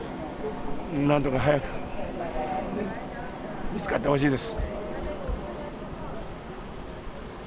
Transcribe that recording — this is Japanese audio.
なんとか早く見つかってほしいです。